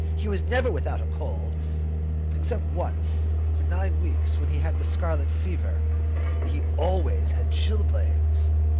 He was never without a cold, except once for nine weeks while he had scarlet fever; and he always had chilblains.